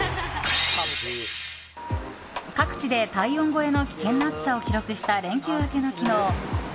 各地で体温超えの危険な暑さを記録した連休明けの昨日。